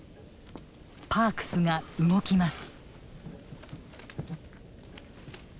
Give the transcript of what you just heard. パークスが動きます。